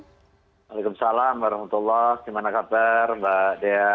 waalaikumsalam warahmatullahi wabarakatuh gimana kabar mbak dea